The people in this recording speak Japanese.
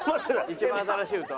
一番新しい歌？